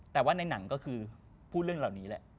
แต่ว่าในหนังก็คือพูดเรื่องเหล่านี้แหละ